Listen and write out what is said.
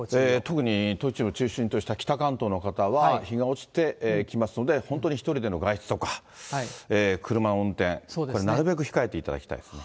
特に、栃木を中心とした北関東の方は、日が落ちてきますので、本当に１人での外出とか、車の運転、これなるべく控えていただきたいですね。